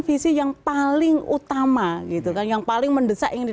mereka harus memilih prioritas yang paling penting